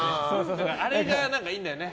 あれがいいんだよね。